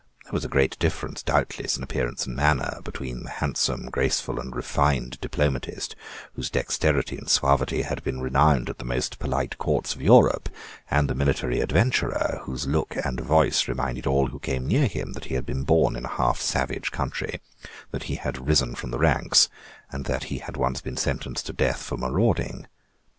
There was a great difference doubtless, in appearance and manner, between the handsome, graceful, and refined diplomatist, whose dexterity and suavity had been renowned at the most polite courts of Europe, and the military adventurer, whose look and voice reminded all who came near him that he had been born in a half savage country, that he had risen from the ranks, and that he had once been sentenced to death for marauding.